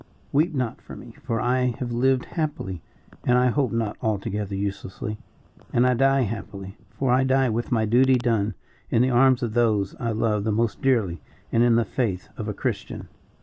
Weep not for me, for I have lived happily, and I hope not altogether uselessly, and I die happily, for I die with my duty done, in the arms of those I love the most dearly, and in the faith of a Christian."